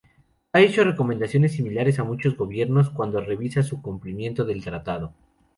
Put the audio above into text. Ha hecho recomendaciones similares a muchos gobiernos cuando revisa su cumplimiento del tratado.